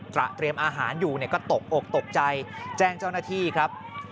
เตรียมอาหารอยู่ก็ตกอกตกใจแจ้งเจ้าหน้าที่ครับ